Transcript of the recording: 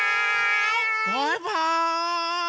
バイバーイ！